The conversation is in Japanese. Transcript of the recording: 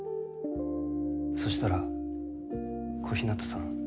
そしたら小日向さん。